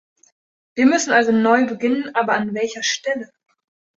Wir müssen also neu beginnen, aber an welcher Stelle?